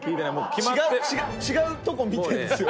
二階堂：違うとこ見てるんですよ。